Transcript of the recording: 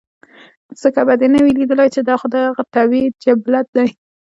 ځکه به دې نۀ وي ليدلے چې دا خو د هغه طبعي جبلت دے